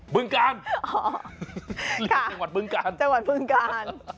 บึงการเรียกว่าจังหวัดบึงการ